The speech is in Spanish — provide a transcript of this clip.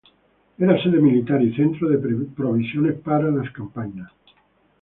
Era sede militar y centro de provisiones para las campañas.